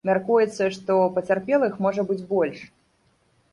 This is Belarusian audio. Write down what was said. Мяркуецца, што пацярпелых можа быць больш.